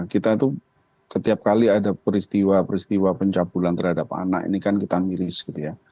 sekali ada peristiwa peristiwa pencapulan terhadap anak ini kan kita miris gitu ya